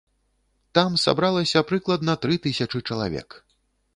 Там сабралася прыкладна тры тысячы чалавек.